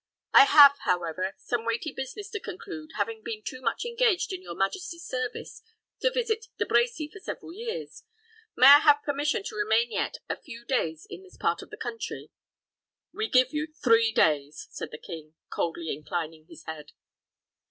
I have, however, some weighty business to conclude, having been too much engaged in your majesty's service to visit De Brecy for several years. May I have permission to remain yet a few days in this part of the country?" "We give you three days," said the king, coldly inclining his head.